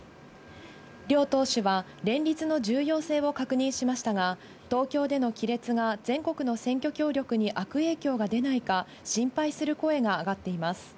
両党首は、連立の重要性を確認しましたが、東京での亀裂が全国の選挙協力に悪影響が出ないか、心配する声が上がっています。